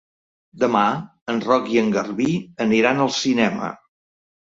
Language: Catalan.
Demà en Roc i en Garbí aniran al cinema.